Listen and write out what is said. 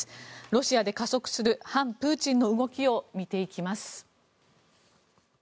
ロシアで加速する反プーチンの動きを見ていきます。